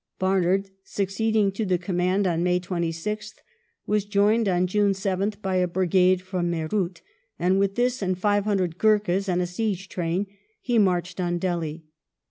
Barnard, succeeding to the command on May 26th, was joined on June 7th by a brigade from Meerut, and with this, and 500 Gurkhas and a siege train, he marched on Delhi.